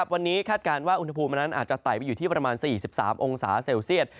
วันนี้คาดการณ์ว่าอุณหภูมินั้นอาจจะไต่ไปอยู่ที่ประมาณ๔๓องศาเซลเซียต